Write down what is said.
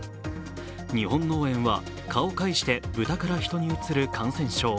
日本脳炎は蚊を介して豚から人にうつる感染症